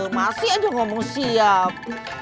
masih aja ngomong siap